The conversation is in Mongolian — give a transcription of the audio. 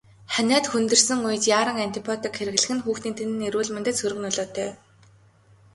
Ханиад хүндэрсэн үед яаран антибиотик хэрэглэх нь хүүхдийн тань эрүүл мэндэд сөрөг нөлөөтэй.